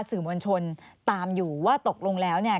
สื่อมวลชนตามอยู่ว่าตกลงแล้วเนี่ย